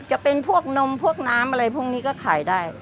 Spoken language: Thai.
จะเป็นพวกนมพวกน้ำอะไรพวกนี้ก็ขายได้